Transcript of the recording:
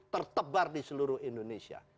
tertebar di seluruh indonesia